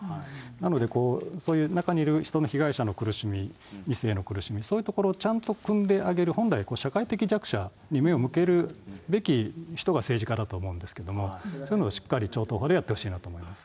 なので、そういう中にいる２世の苦しみ、２世の苦しみ、そういうところをちゃんとくんであげる、本来、社会的弱者に目を向けるべき人が政治家だと思うんですけれども、そういうのをしっかり超党派でやってほしいなと思います。